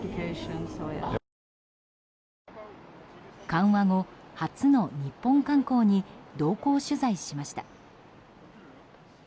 緩和後初の日本観光に同行取材しました。